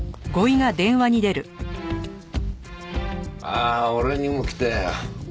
ああ俺にも来たよ。